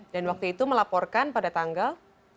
dan waktu itu melaporkan pada tanggal